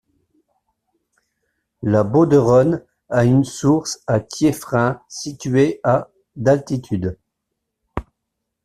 La Boderonne a une source à Thieffrain située à d'altitude.